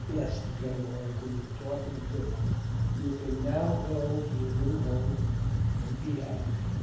Yes," the colonel answered, your talk is good. You can now go to your new home, and be happy.